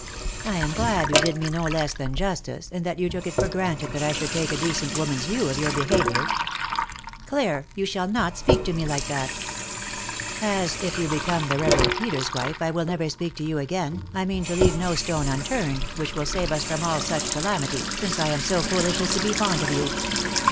" I am glad you did me no less than justice, and that you took it for granted that I should take a decent woman's view of your behaviour." " Clare I — you shall not speak to me like that 1 " "As, if you become the Rev. Peter's wife I will never speak to you again, I mean to leave no stone unturned which will save us all from such a calamity, since I am so foolish as to be fond of you."